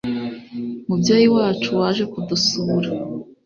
mubyeyi wacu waje kudusura